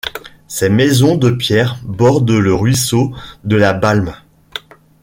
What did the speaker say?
Ses maisons de pierre bordent le ruisseau de la Balme.